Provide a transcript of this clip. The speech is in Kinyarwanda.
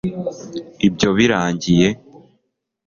ibyo birangiye